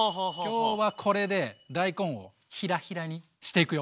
今日はこれで大根をひらひらにしていくよ。